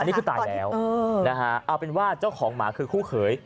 นี่คือตายแล้วนะฮะเอาเป็นว่าเจ้าของหมาคือคู่เขย